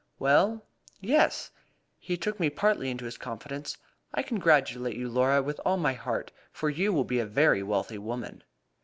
"Well, yes. He took me partly into his confidence. I congratulate you, Laura, with all my heart, for you will be a very wealthy woman."